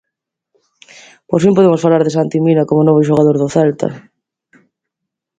Por fin podemos falar de Santi Mina como novo xogador do Celta.